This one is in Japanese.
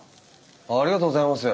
ありがとうございます。